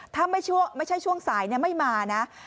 ถ้าไม่ใช่ช่วงสายไม่มานะ